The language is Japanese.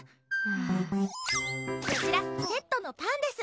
こちら、セットのパンです。